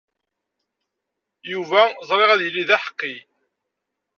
Yuba ẓriɣ ad yili d aḥeqqi.